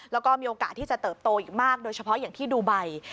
แล้วก็มีโอกาสที่จะเติบโตอีกมากโดยเฉพาะอย่างที่ดูไบ